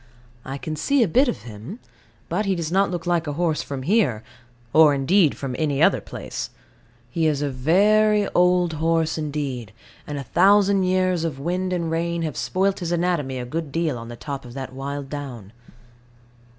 I can see a bit of him: but he does not look like a horse from here, or indeed from any other place; he is a very old horse indeed, and a thousand years of wind and rain have spoilt his anatomy a good deal on the top of that wild down.